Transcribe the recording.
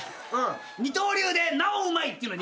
「二刀流でなおうまい」っていうのでいこうか。